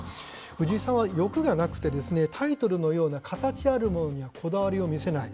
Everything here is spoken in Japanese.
藤井さんは欲がなくて、タイトルのような形あるものにはこだわりを見せない。